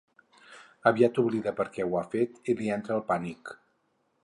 Aviat oblida per què ho ha fet i li entra el pànic.